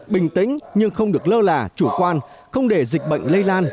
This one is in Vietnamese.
bình tĩnh nhưng không được lơ là chủ quan không để dịch bệnh lây lan